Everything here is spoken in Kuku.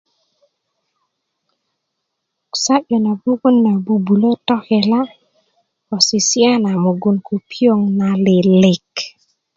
sa'yu na mogun na 'bu'bulä tokelá ko sisiya na mogun ko piyon na lilik